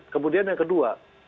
kemudian yang kedua